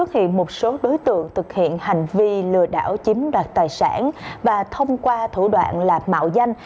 hiện hành vi lừa đảo chiếm đoạt tài sản và thông qua thủ đoạn là mạo danh